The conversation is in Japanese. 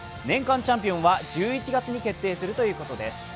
年間チャンピオンは１１月に決定するということです。